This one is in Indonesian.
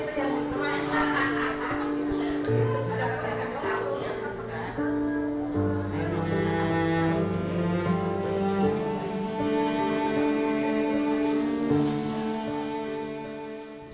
kami berharap kita bisa memaksimalkan anak kita